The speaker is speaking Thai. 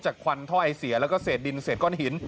จากควันถ้อยเสียแล้วก็เสดดินเสดก้อนหิน